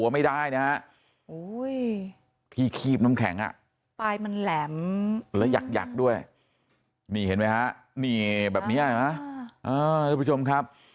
มันแหลมและหยักด้วยนี่เห็นไหมฮะนี่แบบนี้เลยนะทุกผู้ชมครับ